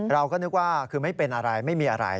เราก็นึกว่าคือไม่เป็นอะไรไม่มีอะไร